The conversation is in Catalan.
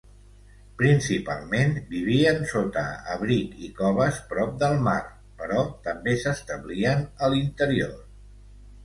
Principalment vivien sota abric i coves prop del mar però també s'establien a l'interior.